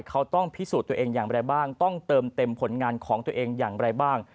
เขาต้องพิสูจน์ตัวเองอย่างไรบ้างต้องเติมเต็มผลงานของตัวเองอย่างไรบ้าง